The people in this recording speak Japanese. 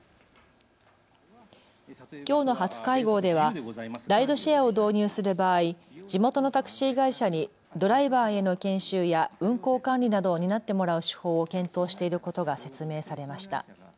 きょうの初会合ではライドシェアを導入する場合、地元のタクシー会社にドライバーへの研修や運行管理などを担ってもらう手法を検討していることが説明されました。